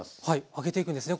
揚げていくんですね